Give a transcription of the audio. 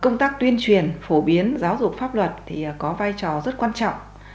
công tác tuyên truyền phổ biến giáo dục pháp luật có vai trò rất quan trọng